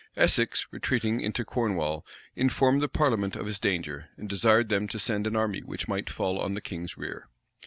Essex, retreating into Cornwall, informed the parliament of his danger, and desired them to send an army which might fall on the king's rear.